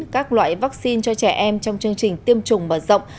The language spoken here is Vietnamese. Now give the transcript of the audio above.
các loại vaccine cho trẻ em trong chương trình tiêm chủng mở rộng